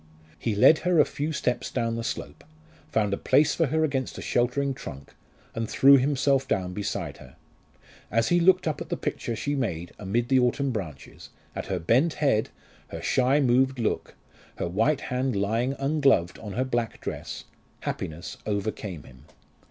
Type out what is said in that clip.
He led her a few steps down the slope, found a place for her against a sheltering trunk, and threw himself down beside her. As he looked up at the picture she made amid the autumn branches, at her bent head, her shy moved look, her white hand lying ungloved on her black dress, happiness overcame him.